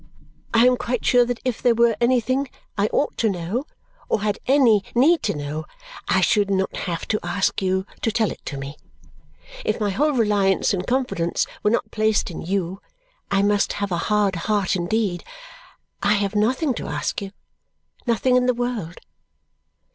I am quite sure that if there were anything I ought to know or had any need to know, I should not have to ask you to tell it to me. If my whole reliance and confidence were not placed in you, I must have a hard heart indeed. I have nothing to ask you, nothing in the world."